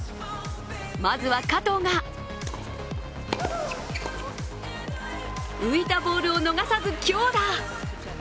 まずは加藤が浮いたボールを逃さず強打！